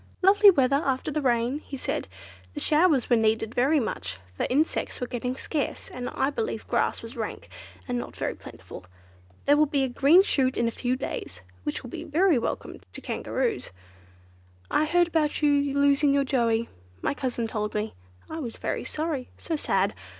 "Lovely weather after the rain," he said; "the showers were needed very much, for insects were getting scarce, and I believe grass was rank, and not very plentiful. There will be a green shoot in a few days, which will be very welcome to Kangaroos. I heard about you losing your Joey—my cousin told me. I was very sorry; so sad.